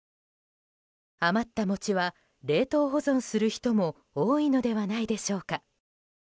余った餅は冷凍保存する人も多いのではないでしょうか。